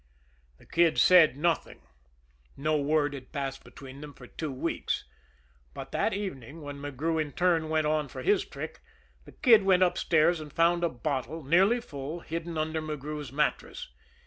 The Kid said nothing, no word had passed between them for two weeks; but that evening, when McGrew in turn went on for his trick, the Kid went upstairs and found a bottle, nearly full, hidden under McGrew's mattress.